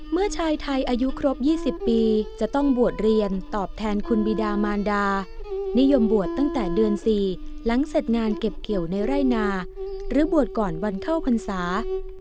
เมื่อชายไทยอายุครบ๒๐ปีจะต้องบวชเรียนตอบแทนคุณบิดามานดานิยมบวชตั้งแต่เดือน๔หลังเสร็จงานเก็บเกี่ยวในไร่นาหรือบวชก่อนวันเข้าพรรษา